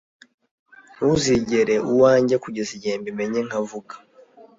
Ntuzigere uwanjye kugeza igihe mbimenye nkavuga